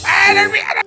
aduh mie aduh aduh aduh